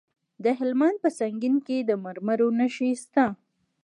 د هلمند په سنګین کې د مرمرو نښې شته.